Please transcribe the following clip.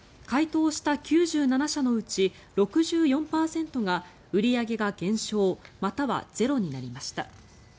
回答した９７社のうち６４％が売り上げが減少またはゼロになりました。